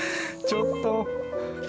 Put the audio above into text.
ちょっと。